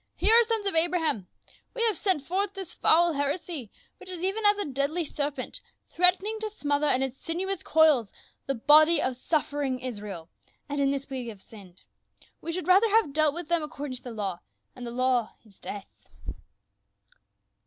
" Hear, sons of Abraham ! We have sent forth this foul heresy, which is even as a deadly serpent, threatening to smother in its sinuous coils the body of suffering Israel, and in this have we sinned : we should rather have dealt with them according to the law, and the law is death."